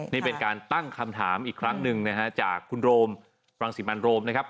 นี่เป็นการตั้งคำถามอีกครั้งจากคุณโรมวังสิบันโรมนะครับ